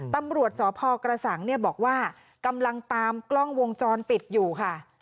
ตำรวจสพกระสังบอกว่ากำลังตามกล้องวงจรปิดอยู่ค่ะ